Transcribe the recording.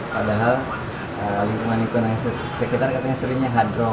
padahal lingkungan lingkungan sekitar katanya seringnya hadro